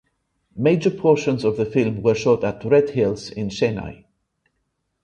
Major portions of the film were shot at Red Hills in Chennai.